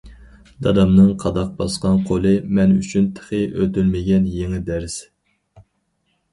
دادامنىڭ قاداق باسقان قولى- مەن ئۈچۈن تېخى ئۆتۈلمىگەن يېڭى دەرس.